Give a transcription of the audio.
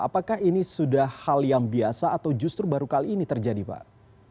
apakah ini sudah hal yang biasa atau justru baru kali ini terjadi pak